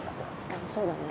あっそうだね。